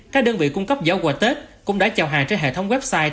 các đơn vị cung cấp giỏ quà tết cũng đã chào hàng trên hệ thống website